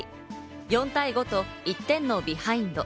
４対５と１点のビハインド。